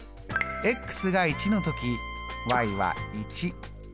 が１の時は１。